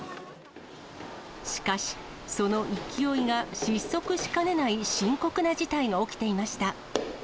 しかし、その勢いが失速しかねない深刻な事態が起きていました。